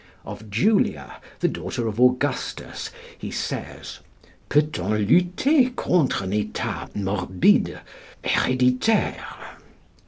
Of Julia, the daughter of Augustus, he says, "Peut on lutter contre un état morbide héréditaire?"